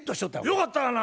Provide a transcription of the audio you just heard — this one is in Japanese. よかったがな！